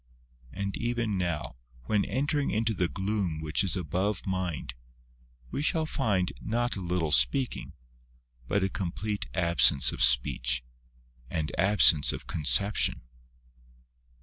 As even now, when entering into the gloom which is above mind, we shall find, not a little speaking, but a complete absence of speech, and absence of conception.